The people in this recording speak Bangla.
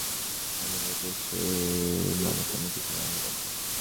সাফারি পার্কে এমন বিপন্ন প্রাণী আনলে দেশের মানুষ অনেক কিছু জানতে পারত।